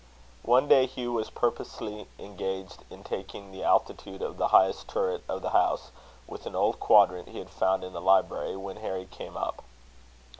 One day Hugh was purposely engaged in taking the altitude of the highest turret of the house, with an old quadrant he had found in the library, when Harry came up.